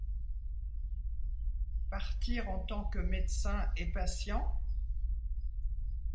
Partir en tant que médecin et patient ?